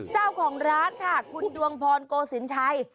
เจ้าของร้านค่ะคุณดวงพรโกสินชัย